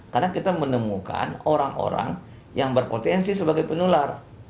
karena kita menemukan orang orang yang berpotensi sebagai penular